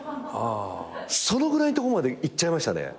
そのぐらいんとこまでいっちゃいましたね。